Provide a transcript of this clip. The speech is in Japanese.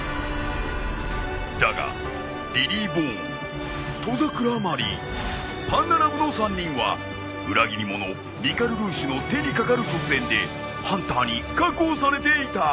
だがリリィボーン兎桜マリンパンナラヴの３人は裏切り者ミカルルーシュの手にかかる直前でハンターに確保されていた。